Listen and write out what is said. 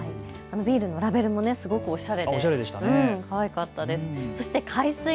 ビールのラベルもすごくおしゃれでかわいかったです。